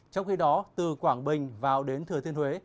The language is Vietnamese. trong khi đó từ quảng bình vào đến thừa thiên huế